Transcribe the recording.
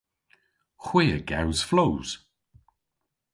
Hwi a gews flows!